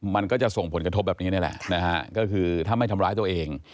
มันก็จะส่งผลกระทบแบบนี้นี่แหละนะฮะก็คือถ้าไม่ทำร้ายตัวเอง